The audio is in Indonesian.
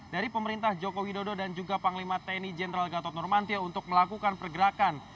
dari pemerintah joko widodo dan juga panglima tni jenderal gatot nurmantia untuk melakukan pergerakan